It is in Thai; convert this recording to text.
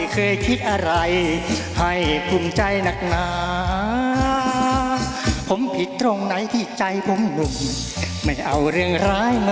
ขอบคุณครับขอบคุณครับ